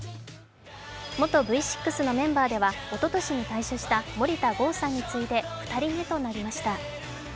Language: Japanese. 元Ｖ６のメンバーではおととしに退所した森田剛さんに次いで２人目となりました。